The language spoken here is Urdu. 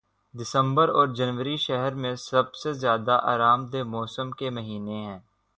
دسمبر اور جنوری شہر میں سب سے زیادہ آرام دہ موسم کے مہینے ہیں